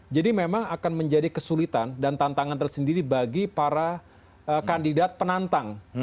jadi memang akan menjadi kesulitan dan tantangan tersendiri bagi para kandidat penantang